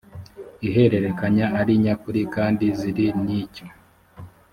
ihererekanya ari nyakuri kandi ziri n icyo